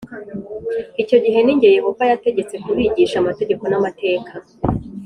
Icyo gihe ni jye Yehova yategetse kubigisha amategeko n’amateka,